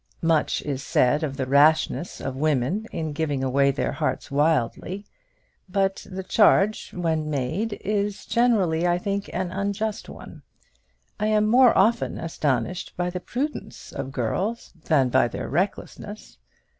Much is said of the rashness of women in giving away their hearts wildly; but the charge when made generally is, I think, an unjust one. I am more often astonished by the prudence of girls than by their recklessness.